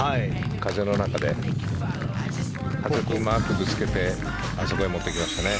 風の中で、ぶつけてあそこに持っていきましたね。